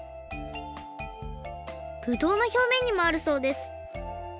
ぶどうのひょうめんにもあるそうです。